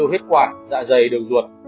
hết quả dạ dày đường ruột